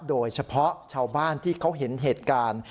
โดยเฉพาะชาวบ้านที่เขาเห็นเหตุการณ์